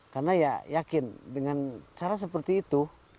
karena ya yakin dengan cara seperti itu